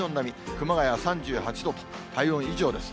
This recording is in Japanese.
熊谷は３８度と、体温以上です。